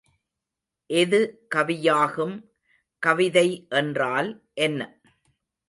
எது கவியாகும் கவிதை என்றால் என்ன?